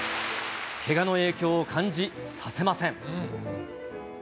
けがの影響を感じさせません。